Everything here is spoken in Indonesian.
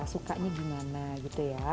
sukanya gimana gitu ya